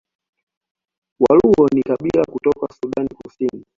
Waluo ni kabila kutoka Sudan Kusini